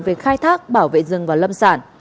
về khai thác bảo vệ rừng và lâm sản